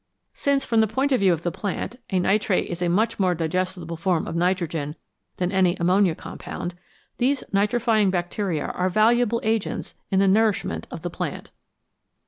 Since, from the point of view of the plant, a nitrate is a much more digestible form of nitrogen than any ammonia compound, these nitrifying bacteria are valuable agents in the nourishment of the plant.